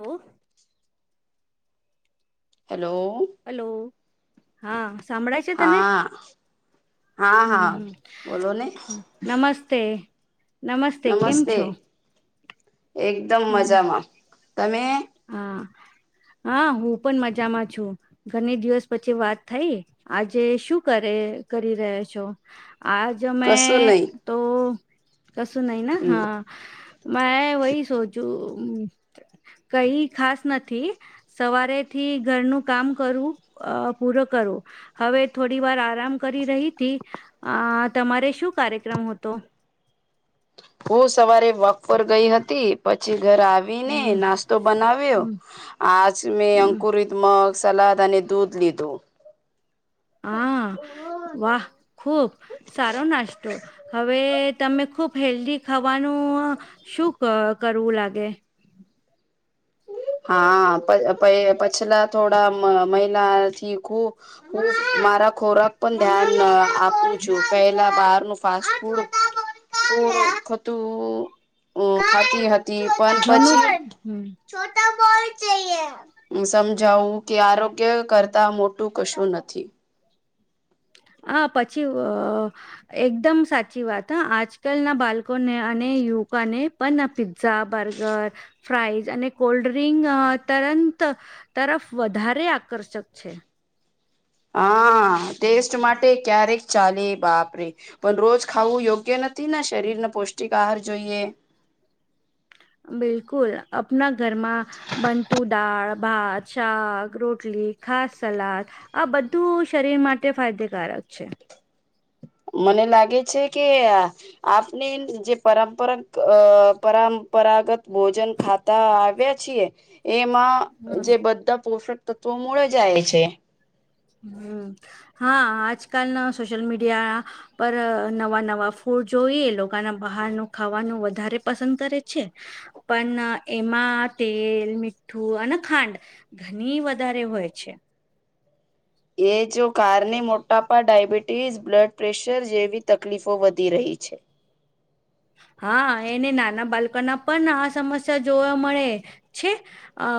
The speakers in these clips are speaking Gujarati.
હલો હેલો હલો હા સાંભળાય છે તને હા હા હમ હા બોલો ને હમ નમસ્તે નમસ્તે કેમ છો એકદમ હમ મજામાં તમે હા હા હું પણ મજામાં છું ઘણી દિવસ પછી વાત થઈ આજે શું કરે કરી રહ્યા છો આજ મેં કશું નહી તો કસો નહી ના હમ હા મેં વહી સોચું કઈ ખાસ નથી સવારેથી ઘરનું કામ કરું, અ પૂરો કરવો હવે થોડી વાર આરામ કરી રહીથી આ તમારે શું કાર્યક્રમ હતો હું સવારે વોક પર ગઈ હતી પછી ઘર આવીને હમ નાસ્તો બનાવ્યો હમ આજ મેં હમ અંકુરિત મગ સલાદ અને દૂધ લીધું હા વાહ ખુબ સારો નાસ્તો હવે તમે ખુબ હેલ્ધી ખાવાનું શું કરવું લાગે હા પ પ પછલા થોડા મહિલાથી ખુ હ મારા ખોરાક પણ ધ્યાન આપું છું પહેલા બહાર ન ફાસ્ટ ફૂડ ખોટું હ ઘનુંું હમ છોટા બળ ચએ સમજાવું કે આરોગ્ય કરતા મોટું કશું નથી [inaudible] પછી એકદમ સાચી વાત હા આજકાલના બાળકોને અને યુવકોને પણ પિઝઝા, બર્ગર, ફ્રાઈઝ અને કોલ્ડ્રિંક તરંત તરફ વધારે આકર્ષક છે હા ટેસ્ટ માટે ક્યારેક ચાલે, બાપરે પણ રોજ ખાવું યોગ્ય નથી ને શરીરને પૌષ્ટિક આહાર જોઈએ બિલકુલ, અપના ઘરમાં બનતુ દાળ, ભાત, શાક, રોટલી, ખાસ સલાદ આ બધું શરીર માટે ફાયદેકારક છે મને લાગે છે કે આ આપને જે પરંપરા [inaudible] પરંપરાગત ભોજન ખાતા આવ્યા છીએ એમાં હમ જે બધા પોષક તો તો મુળે જાય છે હમ.. હા આજકાલ ના સોશિલ મીડિયા પર નવા નવા ફૂડ જોઈએ લોકોના બહારનું ખાવાનું વધારે પસંદ કરે છે પણ એમાં તેલ, મીઠું અને ખાંડ [inaudible] વધારે હોય છે એ જો કારણે મોટાપા, ડાયબિટીસ, બ્લડ પ્રેશર જેવી તકલીફો વધી રહી છે. હા એને નાના બાળકોના પણ આ સમસ્યા જોવા મળે છે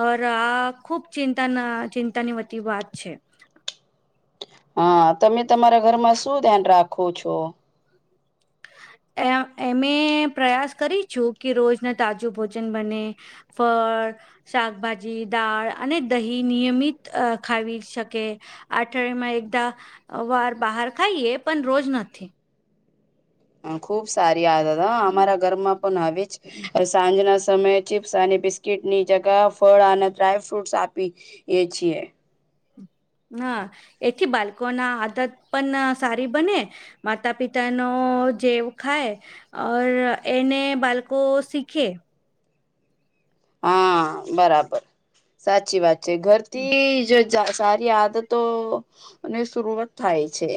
ઓર આ ખુબ ચિંતા ના ચિંતાની વતી વાત છે હા, તમે તમારા ઘરમાં શું ધ્યાન રાખો છો એ અમે પ્રયાસ કરી છું કે રોજના તાજું ભોજન બને ફળ શાકભાજી, દાળ અને દહી નિયમિત ખાવી શકે અઠવાડીયામાં એકદા વાર બહાર ખાઈએ પણ રોજ નથી ખુબ સારી આડત હતા હમ. અમારા ઘરમાં પણ હ જ સાંજના સમયે ચીપ્સ અને બિસ્કીિટની જગ ફળ અને ડ્રાય ફ્રૂટ્સ આપી એ છીએ હા એથી બાળકો ના આદત પણ સારી બને માતા પિતા નો જીવ ખાય ઓર એને બાલકો શીખે હા, બરાબર સાચી વાત છે ઘરથી જ સારી આદતો ની શરૂઆત થાય છે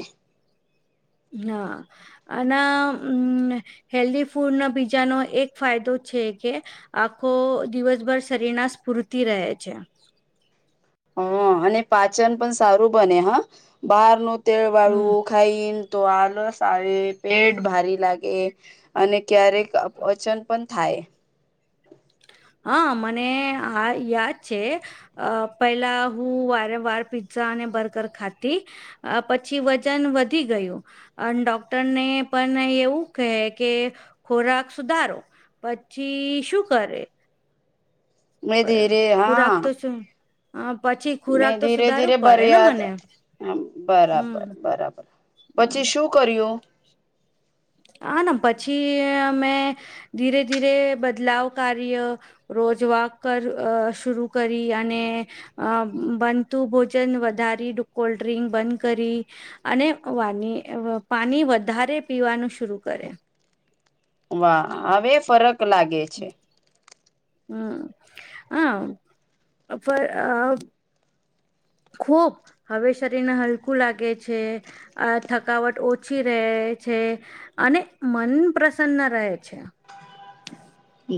ના [inaudible] હ હેલ્ધ ફૂડ ના બીજાનો એક ફાયદો છે કે આખો દિવસભર શરીણા સ્ફુર્તિ રહે છે હા અને પાચન પણ સારું બને હા બહાર નું તેળ હમ વાળું ખઈને તો આલસ આવે પેટ ભારી લાગે અને ક્યારેક વચન પણ થાય હા મને આ યાદ છે અ પેલા હું વારં વાર પીઝા અને બર્ગર ખાતી આ પછી વજન વધી ગયું. અને ડોક્ટરને પણ એવું કહે કે ખોરાક સુધારો પછી.. શું કરે મેં પ- ધીરે હા ખોરાક તો શું અ, પછી મે ખોરાક તો ધીરે સુધારવું ધીરે પડે ને ભરિયાદ મને બરાબર હમ બરાબર પછી શું કર્યું હા ના પછી મે ધીરે ધીરે બદલાવ કાર્ય રોજ વોક કર શરુ કરી અને અ બનતું ભોજન વધારી કોલ્ડ્રિંક બંધ કરી અને વાની પાણી વધારે પીવાનું શરૂુ કરે વાહ હવે ફરક લાગે છે હમ હ આ ખૂબ હવે શરીર ને હલકું લાગે છે આ થકાવટ ઓછી રહે છે અને મન પ્રસન્ન રહે છે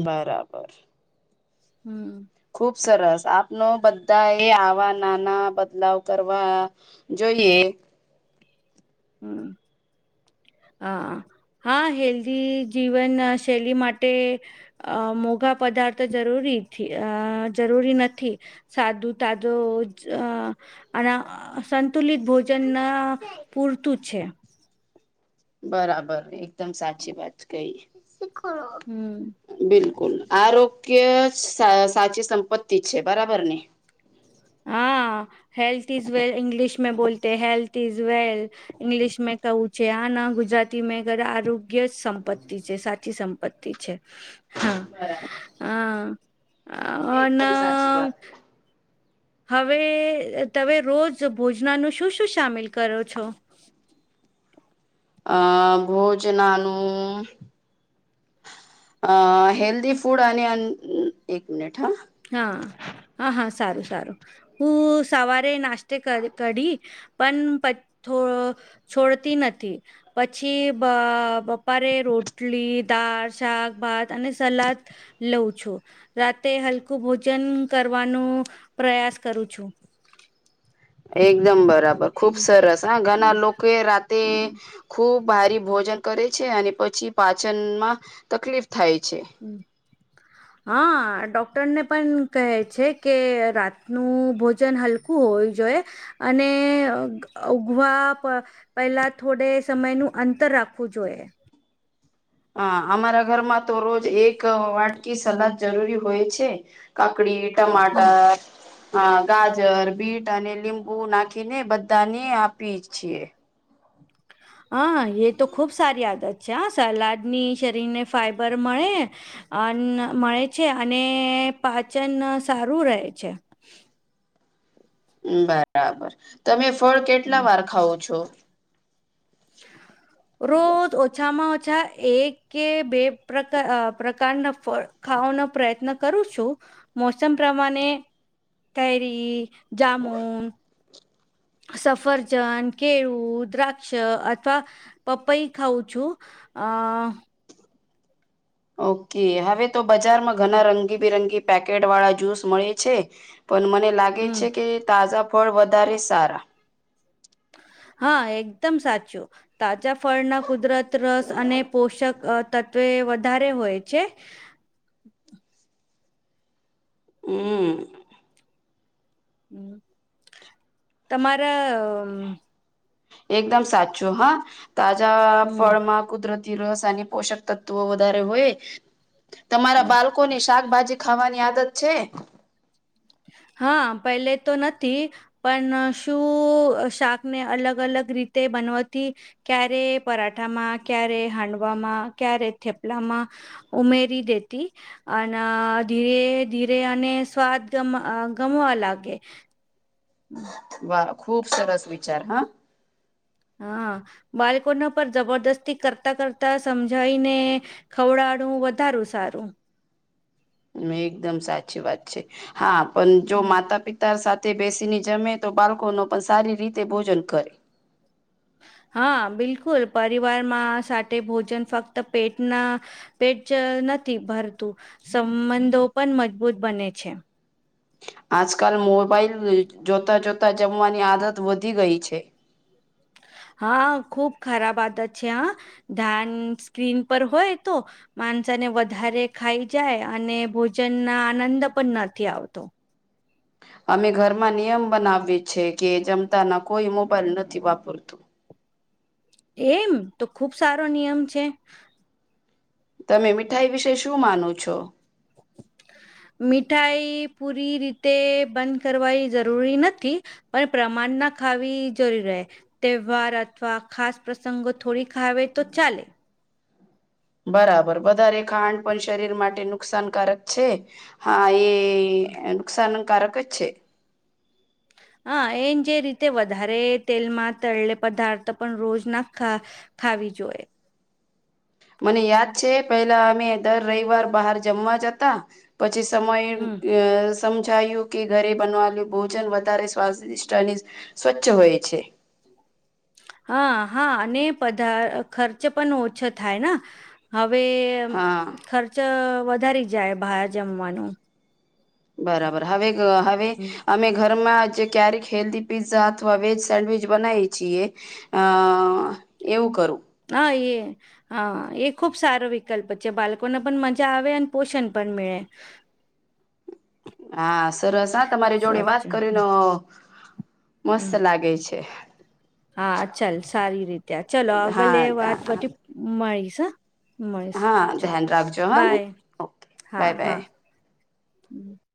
બરાબર હમ ખુબ સરસ આપનો બધા એ આવા નાના બદલાવ કરવા જોઈએ હમ હ હા હેલ્ધી જીવન શૈલી માટે અ મોઘા પદાર્થ જરૂરી અ જરૂરી નથી સાદું તાજો અને સંતુલિત ભોજનના પુરતું છે બરાબર એકદમ સાચી વાત કઈ હમ બિલકુલ આરોગ્ય સાચી સંપત્તિ છે બરાબર ને હા હેલ્થ ઇઝ વેલ ંગ્લિશ મે બોલતે હેલ્થ ઇઝ વેલ ંગ્લિશ મે કવું છે આ ના ગુજરાતી મે ઘર આરોગ્ય જ સંપત્તિ છે સાચી સંપત્તિ છે હા બરાબર હ એકદમ સાચી અના વાત છે. હવે તમે રોજ ભોજનાનું શું શું સામેલ કરો છો આ ભોજનાનુંું અ હલ્ ફૂડ અને એક મનટ હા હા હા હા સારું સારું હું સવારે નાસ્તે કઢ પણ છોડતી નથી પછી બ બપારે રોટલી દાળ શાકભાત અને સલાદ લઉં છું રાતે હલકું ભોજન કરવાનું પ્રયાસ કરું છું એકદમ બરાબર ખુબ હમ સરસ હા હમ ઘણા લોકો રાતે હમ ખૂબ ભારી ભોજન કરે છે અને પછી પાચનમાં તકલીફ થાય છે હમ હા ડોક્ટરને પણ કહે છે કે રાતનું ભોજન હલું આખું હોવ જોઈએ અને ઉઘવા પેલા થોડે સમય નું અંતર રાખવું જોઈએ હા અમારા ઘરમાં તો રોજ એક વાટકી સલાદ જરૂરી હોય છે કાકડી હમ ટમાટર હા ગાજર બીટ અને લીંબુ નાખીને બધાને આપી છીએ હ એ તો ખૂબ સારી આદત છે આ સલાડની શરીરને ફાઈબર મળે અન મળે છે અને પાચન સારું રહે છે બરાબર તમે ફળ કેટલા હમ વાર ખાવ છો રોજ ઓછામાં ઓછા એક કે બે પ્રકાર પ્રકારના ફળ ખાવાનો પ્રયત્ન કરું છું મોસમ પ્રમાણે કરી જામુન સફરજન કેળું દ્રાક્ષ અથવા પપૈ ખઉ છું અ ઓકે હવે તો બજારમાં ઘણા રંગીબિરંગી પેકેટ વાળા જ્યુસ મળે છે પણ મને લાગે હમ છે કે તાજા પણ વધારે સારા હા એકદમ સાચું તાજા ફળના કુદરત રસ અને પોષક તત્વે વધારે હોય છે હમ હમ તમારા એકદમ સાચું હા તાજા હમ ફળમાં કુદરતી રસ પોષક તત્વો વધારે હોય તમારા હમ બાળ પાકો ની શાકભાજી ખાવાની આદત છે હા પેલે તો નથી પણ શું શાકને અલગ અલગ રીતે બનવાથી ક્યારે પરાઠામાં ક્યારે હાંડવામાં ક્યારે થેપલામાં ઉમેરી દેતી અને ધીરે ધીરે અને સ્વાદ ગમ અ ગમવા લાગે હમ વા ખૂબ સરસ વિચાર હા હા બાળકોને પણ જબરદસ્તી કરતા કરતા સમજાઈીને ખવડાડું વધારું સારું એકદમ સાચી વાત છે હા પણ જો હમ માતા પિતા તાર સાથે બેસીને જમે તો બાળકો ન પણ સારી રીતે ભોજન કરે હા બિલકુલ પરિવારમાં સાથે ભોજન ફક્ત પેટના પેટ નથી ભરતું સંબંધો પણ મજબૂત બને છે આજકાલ મોબાઈલ જોતા જોતા જમવાની આદત વધી ગઈ છે. હા ખુબ ખરાબ આદત છે હા ધ્યાન સ્ક્રીન પર હોય તો. માણસા ને વધારે ખાઈ જાય અને ભોજન ના આનંદ પણ નથી આવતો. અમે ઘરમાં નિયમ બનાવીએ છે કે જમતા ના કોઈ મોબાઈલ નથી વાપરતું. એમ તો ખુબ સારો નિયમ છે. તમે મીઠાઈ વિશે શું માનું છો. [inaudible] મીઠાઈ પૂરી રીતે બંધ કરવાની જરૂરી નથી. પણ પ્રમાણ ના ખાવી જરૂરી રહે તહેવાર અથવા ખાસ. પ્રસંગો થોડીકાવ તો ચાલે. બરાબર વધારે ખાંડ પણ શરીર માટે નુકસાનકારક છે હા એ. એ નુકસાનકારક જ છે. હ એને જે રીતે વધારે તેલમાં તળલે પદાર્થ પણ રોજ નાખા. ખાવી જોઈએ મને યાદ છે પેલા અમે દર રવિવાર બહાર જમવા જતા. પછી સમય અ. હમ સમજાયું કે ઘરે બનાવાલું ભોજન વધારે સ્વાદિષ્ટ અને સ્વચ્છ હોય છે. હા હા અને પધા ખર્ચ પણ ઓછો થાય હવે. હા ખર્ચ વધારી જાય બહાર જમવાનું. બરાબર હવે હવે હમ. અમે ઘરમાં જે. ક્યારેક હેલ્ધી પીઝા અથવા વેજ સેન્ડવીચ બનાવીએ છીએ. અ એવું કરું હા એે હા એ ખુબ સારો વિકલ્પ છે બાળકોને પણ મજા આવે અને પોષણ પણ મળે. [inaudible] હા સરસ હા તમારી જોડે વાત સાચા કરીને મસ્ત લાગે છે હા ચાલ સારી રીતે ચાલ અગલે હા વાત પછી મળીશ હા. મળીશું હા ચાલ ધ્યાન રાખજો હા બાય ઓકે હા બાય હા બાય